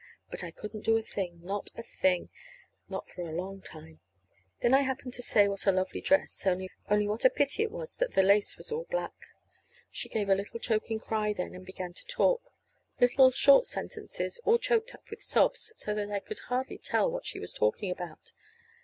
But I couldn't do a thing, not a thing, not for a long time. Then I happened to say what a lovely dress, only what a pity it was that the lace was all black. She gave a little choking cry then, and began to talk little short sentences all choked up with sobs, so that I could hardly tell what she was talking about.